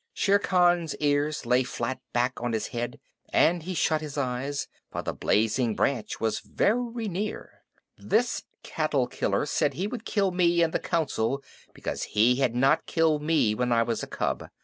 Shere Khan's ears lay flat back on his head, and he shut his eyes, for the blazing branch was very near. "This cattle killer said he would kill me in the Council because he had not killed me when I was a cub.